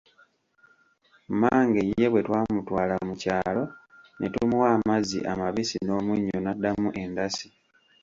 Mmange ye bwe twamutwala mu kyalo ne tumuwa amazzi amabisi n'omunnyo n'addamu endasi.